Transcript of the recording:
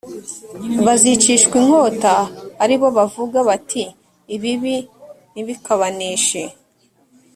bazicishwa inkota ari bo bavuga bati ibibi ntibikabaneshe